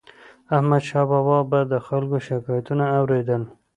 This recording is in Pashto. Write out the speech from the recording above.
احمدشاه بابا به د خلکو شکایتونه اور يدل.